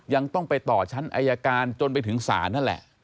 ยังต้องไปต่อชั้นอายการจนไปถึงศาลนั่นแหละ